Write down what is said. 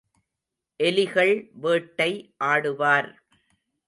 எலிகள் வேட்டை ஆடுவார்.